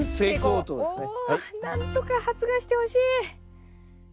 おなんとか発芽してほしい。